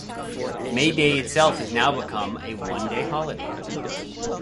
May Day itself has now become a one-day holiday.